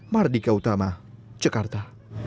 mardika utama jakarta